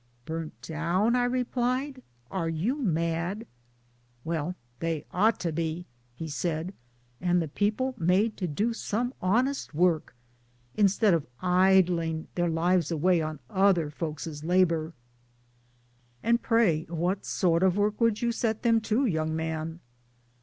"* Burnt down/ I replied ;' are you mad? '"* Well, they ought to be/ he said, * and the people made to do some honest work instead of idling their lives away on other folk's labour.' ' And pray what sort of work would you set them to, young man?